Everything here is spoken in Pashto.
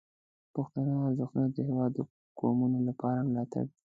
پښتني ارزښتونه د هیواد د قومونو لپاره ملاتړ دي.